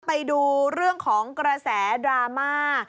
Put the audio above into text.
ไปดูเรื่องของกระแสดราม่า